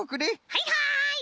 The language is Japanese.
はいはい！